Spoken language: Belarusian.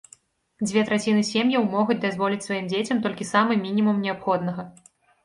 Дзве траціны сем'яў могуць дазволіць сваім дзецям толькі самы мінімум неабходнага.